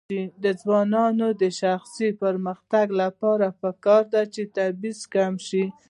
د ځوانانو د شخصي پرمختګ لپاره پکار ده چې تبعیض کموي.